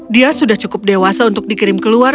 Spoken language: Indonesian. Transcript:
dia sudah cukup dewasa untuk dikirim keluar